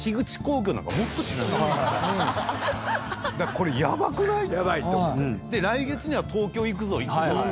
これヤバくない⁉来月には東京行くぞ行くぞ。